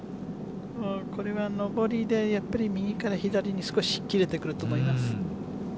これは上りで、やっぱり右から左に少し切れてくると思います。